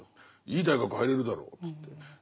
「いい大学入れるだろ」っつって。